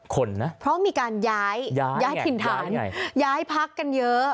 คนนะเพราะมีการย้ายย้ายถิ่นฐานย้ายพักกันเยอะ